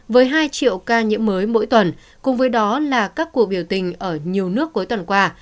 với hai triệu ca nhiễm mới mỗi tuần cùng với đó là các cuộc biểu tình ở nhiều nước cuối tuần qua